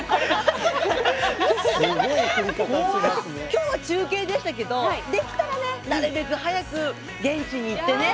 今日は中継でしたけどできたらねなるべく早く現地に行ってね